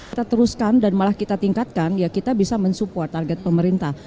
kita teruskan dan malah kita tingkatkan ya kita bisa mensupport target pemerintah